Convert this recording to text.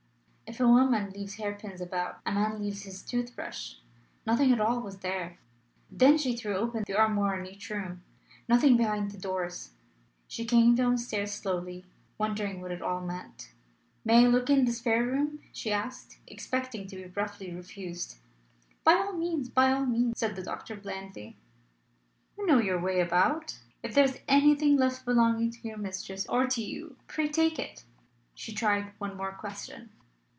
If a woman leaves hairpins about, a man leaves his toothbrush: nothing at all was there. Then she threw open the armoire in each room: nothing behind the doors. She came downstairs slowly, wondering what it all meant. "May I look in the spare room?" she asked, expecting to be roughly refused. "By all means by all means," said the doctor, blandly. "You know your way about. If there is anything left belonging to your mistress or to you, pray take it." She tried one more question.